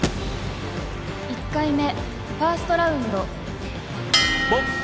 「１回目ファーストラウンド」ボックス。